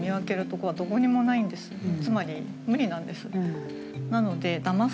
つまり無理なんです。